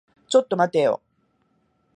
ちょっと待ってよ。